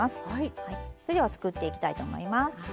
それでは作っていきたいと思います。